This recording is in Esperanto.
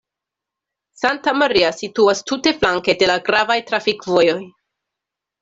Santa Maria situas tute flanke de la gravaj trafikvojoj.